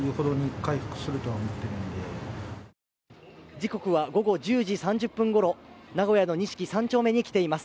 時刻は午後１０時３０分ごろ、名古屋の錦３丁目に来ています。